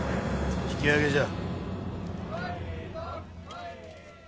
引き揚げじゃ。